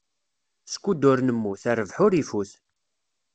Skud ur nemmut, rrbeḥ ur ifut.